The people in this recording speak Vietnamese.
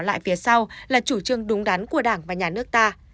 hãy đặt lại phía sau là chủ trương đúng đắn của đảng và nhà nước ta